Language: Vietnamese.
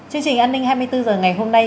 chương trình an ninh hai mươi bốn h ngày hôm nay